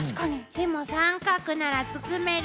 でも三角なら包める。